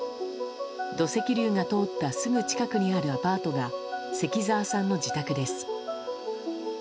土石流が通ったすぐ近くにあるアパートが関澤さんの自宅です。